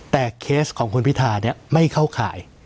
แต่เคสของคุณพิธาไม่เข้าข่าย